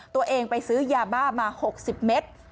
ตัวเองไปซื้อยาบ้ามา๖๐เมตร